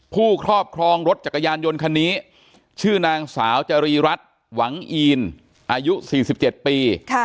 ครอบครองรถจักรยานยนต์คันนี้ชื่อนางสาวจรีรัฐหวังอีนอายุ๔๗ปี